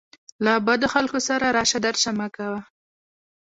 له بدو خلکو سره راشه درشه مه کوه.